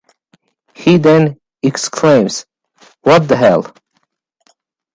He then exclaims: What the hell?!